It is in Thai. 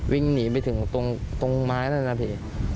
วิ่งหนีไปถึงตรงไม้นั่นนะพี่